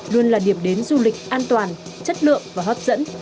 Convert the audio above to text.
luôn là điểm đến du lịch an toàn chất lượng và hấp dẫn